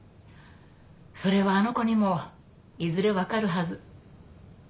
それはあの子にもいずれ分かるはず。